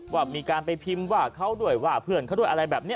ว่ามีการไปพิมพ์ว่าเขาด้วยว่าเพื่อนเขาด้วยอะไรแบบนี้